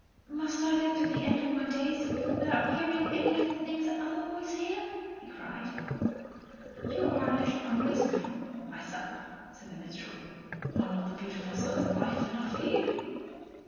"Must I live to the end of my days without hearing any of the things that other boys hear?" he cried. "You are a little unreasonable, my son," said the minstrel. "Are not the beautiful sounds of life enough for you?"